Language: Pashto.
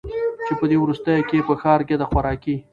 چي په دې وروستیو کي په ښار کي د خوراکي